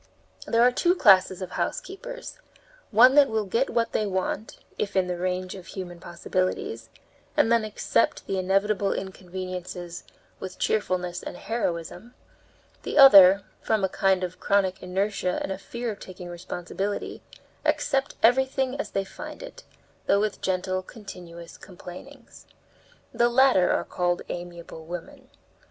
There are two classes of housekeepers one that will get what they want, if in the range of human possibilities, and then accept the inevitable inconveniences with cheerfulness and heroism; the other, from a kind of chronic inertia and a fear of taking responsibility, accept everything as they find it, though with gentle, continuous complainings. The latter are called amiable women.